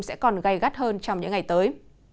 sẽ còn gây gắt hơn trong những ngày tới